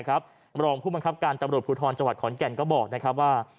รองผู้บังคับการตำรวจภูทรจังหวัดขอนแก่นก็บอกว่า